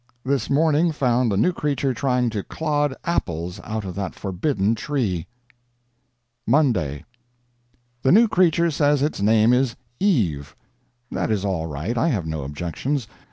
This morning found the new creature trying to clod apples out of that forbidden tree. MONDAY. The new creature says its name is Eve. That is all right, I have no objections.